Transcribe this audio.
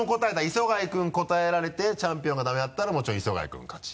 磯貝君答えられてチャンピオンがダメだったら磯貝君勝ち。